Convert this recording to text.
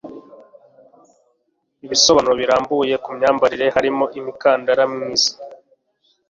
Ibisobanuro birambuye kumyambarire harimo umukandara mwiza.